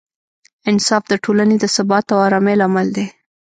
انصاف د ټولنې د ثبات او ارامۍ لامل دی.